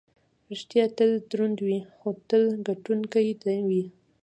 ریښتیا تل دروند وي، خو تل ګټونکی وي.